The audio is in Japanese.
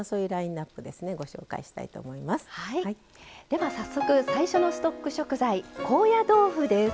では早速最初のストック食材高野豆腐です。